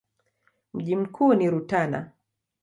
Mji mkuu ni Rutana.